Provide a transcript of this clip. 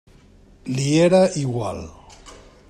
Li era igual!